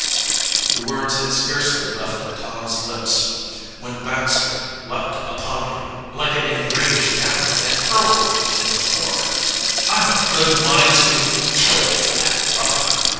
The words had scarcely left Tom's lips than Baxter leaped upon him like an enraged animal and hurled him to the floor. "I've a good mind to to kill you for that, Rover!"